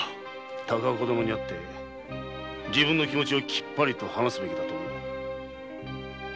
高岡殿に会って自分の気持ちをキッパリと話すべきだ。